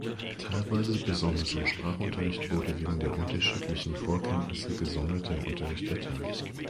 Teilweise, besonders im Sprachunterricht, wurde wegen der unterschiedlichen Vorkenntnisse gesonderter Unterricht erteilt.